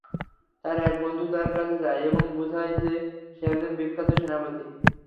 তার এক বন্ধু তার কাছে যায় এবং বুঝায় যে, সে একজন বিখ্যাত সেনাপতি।